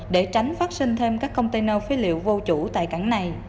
để tránh phát sinh thêm các container phế liệu vô chủ tại cảng này